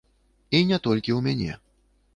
І не толькі ў мяне.